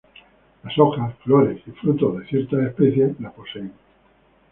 Las hojas, flores y frutos de ciertas especies la poseen.